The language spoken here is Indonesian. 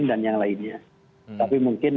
dan yang lainnya tapi mungkin